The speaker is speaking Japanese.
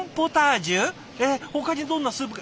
ほかにどんなスープが。